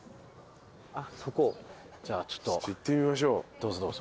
どうぞどうぞ。